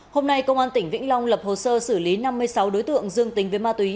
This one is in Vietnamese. hôm nay công an tp hcm lập hồ sơ xử lý năm mươi sáu đối tượng dương tính với ma túy